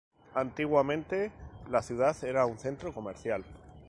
Antiguamente, la ciudad era un centro comercial.